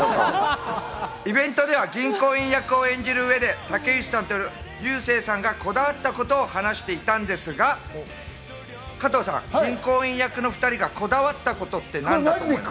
イベントでは銀行員役を演じる上で竹内さんと流星さんがこだわったことを話していたんですが、加藤さん、銀行員役の２人がこだわったことって何だと思いますか？